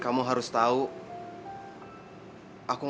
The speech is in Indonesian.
kalau lagi kita turun